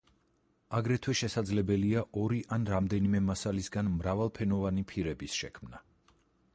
აგრეთვე შესაძლებელია ორი ან რამდენიმე მასალისაგან მრავალფენოვანი ფირების შექმნა.